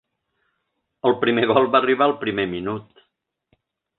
El primer gol va arribar al primer minut.